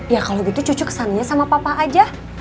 ya kalau gitu cucu kesannya sama papa aja